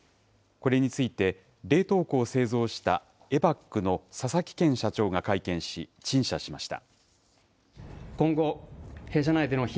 これについて冷凍庫を製造したＥＢＡＣの佐々木健社長が会見し、陳謝しました。